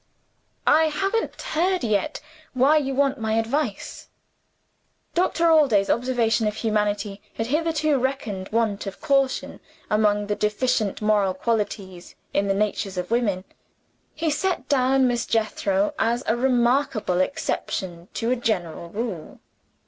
"I haven't heard yet, why you want my advice." Doctor Allday's observation of humanity had hitherto reckoned want of caution among the deficient moral qualities in the natures of women. He set down Miss Jethro as a remarkable exception to a general rule.